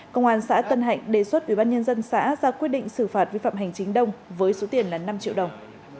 công an xã tân hạnh đề xuất ubnd xã ra quyết định xử phạt vi phạm hành chính đông với số tiền là năm triệu đồng